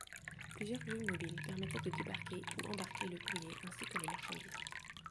Plusieurs grues mobiles permettaient de débarquer ou embarquer le courrier ainsi que les marchandises.